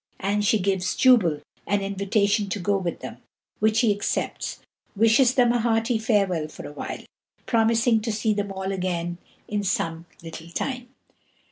And she gives Jubal an invitation to go with them, which he accepts; wishes them a hearty farewell for a while, promising to see them all again in some little time.